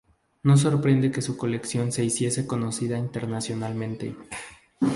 No sorprende que su colección se hiciese conocida internacionalmente.